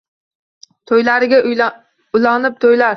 To‘ylariga ulanib to‘ylar